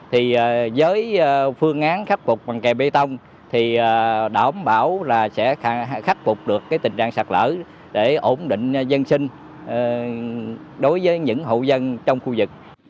thì với phương án khắc phục bằng kè bê tông thì đảm bảo là sẽ khắc phục được cái tình trạng sạt lở để ổn định dân sinh đối với những hộ dân trong khu vực